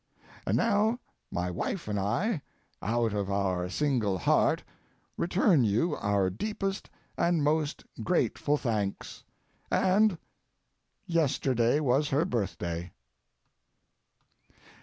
And now, my wife and I, out of our single heart, return you our deepest and most grateful thanks, and—yesterday was her birthday.